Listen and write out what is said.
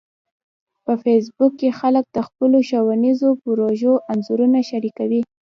په فېسبوک کې خلک د خپلو ښوونیزو پروژو انځورونه شریکوي